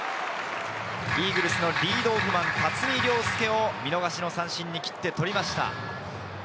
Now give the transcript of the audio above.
イーグルスのリードオフマン、辰己涼介を見逃し三振に切ってとりました。